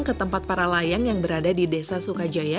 ke tempat para layang yang berada di desa sukajaya